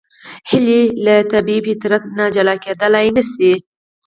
هیلۍ له طبیعي فطرت نه جلا کېدلی نشي